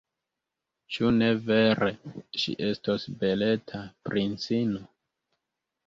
Ĉu ne vere, ŝi estos beleta princino?